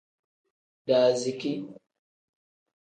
Daaziki.